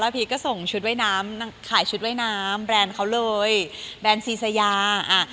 แล้วพีคก็ส่งชุดไว้น้ำขายชุดไว้น้ำแบรนด์เขาเลยแบรนด์ซีสายาอ่ะ